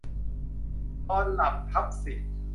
นอนหลับทับสิทธิ์